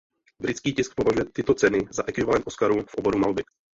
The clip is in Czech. Britský tisk považuje tyto ceny za ekvivalent Oscarů v oboru malby.